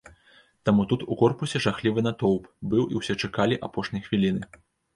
Таму тут у корпусе жахлівы натоўп быў і ўсе чакалі апошняй хвіліны.